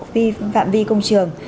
phi phạm vi công trường